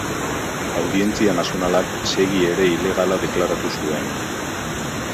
Audientzia Nazionalak Segi ere ilegala deklaratu zuen.